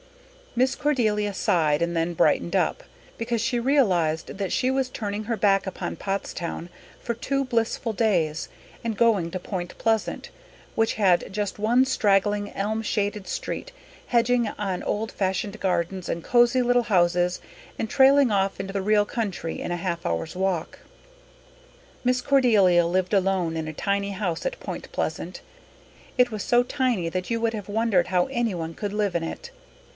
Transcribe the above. Miss Cordelia sighed and then brightened up, because she realized that she was turning her back upon Pottstown for two blissful days and going to Point Pleasant, which had just one straggling, elm shaded street hedging on old fashioned gardens and cosy little houses and trailing off into the real country in a half hour's walk. Miss Cordelia lived alone in a tiny house at Point Pleasant. It was so tiny that you would have wondered how anyone could live in it.